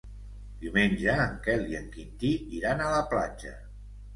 Diumenge en Quel i en Quintí iran a la platja.